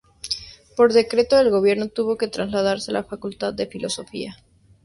Por decreto del gobierno tuvo que trasladarse a la Facultad de Filosofía.